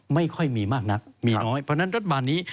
ไม่ค่อยมีมากนักมีน้อยเพราะฉะนั้นรัฐบาลนี้